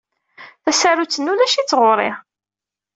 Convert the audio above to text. Tasarut-nni ulac-itt ɣur-i.